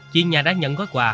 chị nhà đã nhận mấy gói quà